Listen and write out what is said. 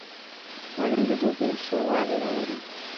خوړل د دوبي سوړ والی راولي